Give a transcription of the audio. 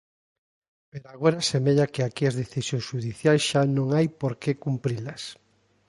Pero agora semella que aquí as decisións xudiciais xa non hai por que cumprilas.